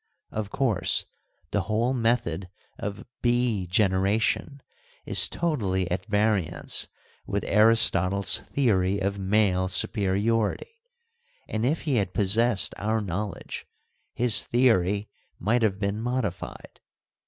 Of course, the whole method of bee generation is totally at variance with Aristotle's theory of male superiority, and if he had possessed our knowledge his theory might have been modified.